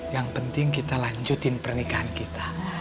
yang penting kita lanjutin pernikahan kita